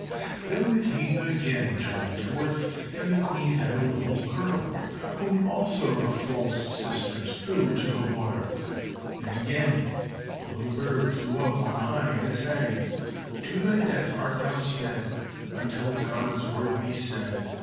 Then the King again journeyed forth, and the Queen had a little girl, whom also the false sisters threw into the water. Then again a little bird flew up on high and sang, "To thy death art thou sped Until God's word be said.